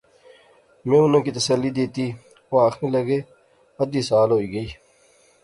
میں انیں کی تسلی دیتی۔ او آخنے لغے، ادھی سال ہوئی گئی